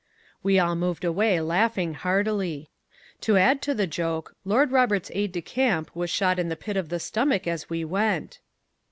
"We all moved away laughing heartily. "To add to the joke, Lord Roberts' aide de camp was shot in the pit of the stomach as we went."